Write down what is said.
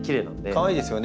かわいいですよね